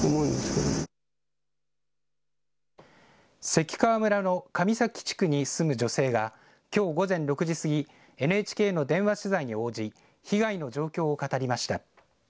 関川村の上関地区に住む女性がきょう午前６時過ぎＮＨＫの電話取材に応じ被害の状況を語りました。